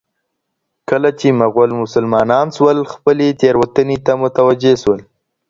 کله چي مغول مسلمانان سول، خپلې تېروتني ته متوجه سول.